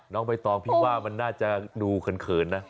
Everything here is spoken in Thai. น้องใบตองพี่ว่ามันน่าจะดูเขินนะ